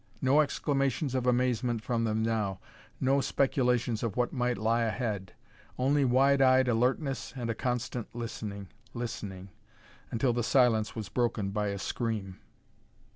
No exclamations of amazement from them now, no speculations of what might lie ahead. Only wide eyed alertness and a constant listening, listening until the silence was broken by a scream.